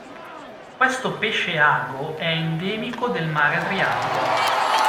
Questo pesce ago è endemico del mar Adriatico.